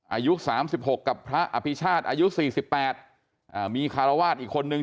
อายุ๓๖กับพระอภิชาติอายุ๔๘มีคารวาสอีกคนนึง